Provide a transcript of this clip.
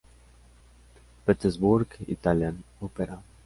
Petersburg Italian Opera.